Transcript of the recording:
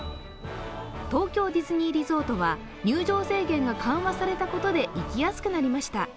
東京ディズニーリゾートは入場制限が緩和されたことで行きやすくなりました。